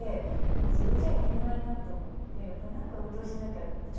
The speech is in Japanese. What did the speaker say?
でもそれじゃいけないなと思ってやっぱりなんか運動しなきゃと思って。